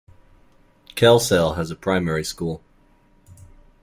Kelsale has a Primary School.